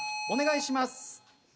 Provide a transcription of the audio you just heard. お願いします。